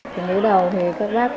trước đầu thì các bác